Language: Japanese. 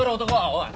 おい。